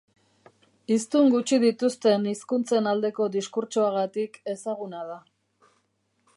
Hiztun gutxi dituzten hizkuntzen aldeko diskurtsoagatik ezaguna da.